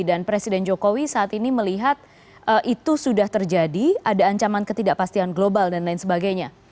dan presiden jokowi saat ini melihat itu sudah terjadi ada ancaman ketidakpastian global dan lain sebagainya